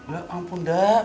ya ampun dah